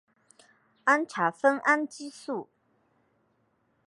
儿茶酚胺激素。